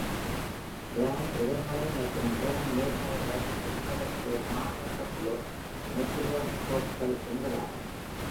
கிராம்-எதிர்மறை மற்றும் கிராம்-நேர்மறை வகைகளை உள்ளடக்கிய ஒரு மாறுபட்ட குழு மெத்திலோட்ரோப்கள் என்பதாகும்.